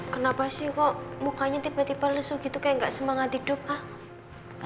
kenapa sih kok mukanya tiba tiba lesu gitu kayak gak semangat hidup ah